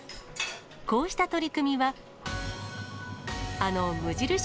こうした取り組みは、あの無印